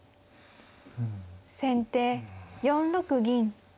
先手４六銀。